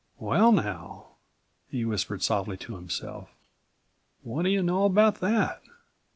"Well, now," he whispered38 softly to himself, "what do you know about that?